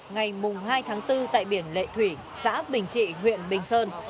ngày hai tháng bốn tại biển lệ thủy xã bình trị huyện bình sơn